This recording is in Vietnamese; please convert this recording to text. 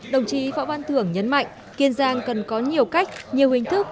đồng chí võ văn thưởng nhấn mạnh kiên giang cần có nhiều cách nhiều hình thức